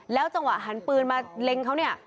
จังหวะหันปืนมาเล็งเขาเนี่ย